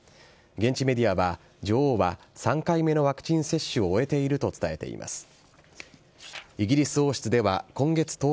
現地メディアは、女王は３回目のワクチン接種を終えていると伝えています。